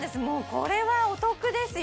これはお得ですよ